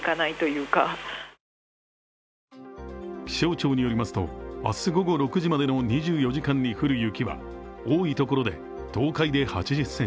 気象庁によりますと、明日午後６時までの２４時間に降る雪は多い所で、東海で８０ｃｍ